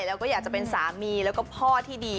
แล้วก็อยากจะเป็นสามีแล้วก็พ่อที่ดี